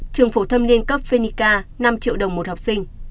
trường phổ thâm liên cấp fenica năm triệu đồng một học sinh